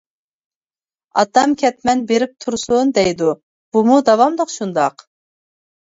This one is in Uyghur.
«ئاتام كەتمەن بېرىپ تۇرسۇن دەيدۇ» ، بۇمۇ داۋاملىق شۇنداق.